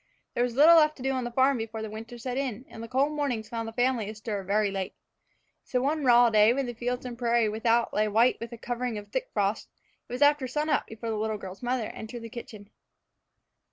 There was little left to do on the farm before the winter set in, and the cold mornings found the family astir very late. So one raw day, when the fields and prairie without lay white in a covering of thick frost, it was after sun up before the little girl's mother entered the kitchen.